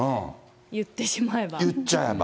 言ってしまえば。